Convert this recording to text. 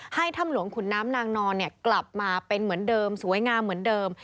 ถ้ำหลวงขุนน้ำนางนอนกลับมาเป็นเหมือนเดิมสวยงามเหมือนเดิม